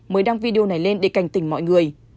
mới đăng video này lên để cảnh tình mọi người